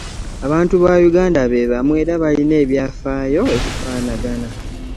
Abantu ba Uganda be bamu era balina ebyafaayo ebifaanagana